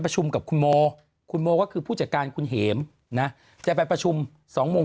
กับคุณโมคุณโมก็คือผู้จัดการคุณเห็มนะจะไปประชุมสองโมง